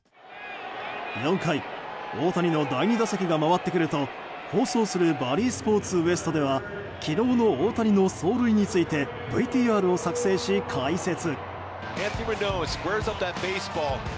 ４回、大谷の第２打席が回ってくると放送するバリー・スポーツ・ウエストでは昨日の大谷の走塁についてＶＴＲを作成し解説。